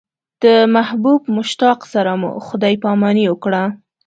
د محبوب مشتاق سره مو خدای پاماني وکړه.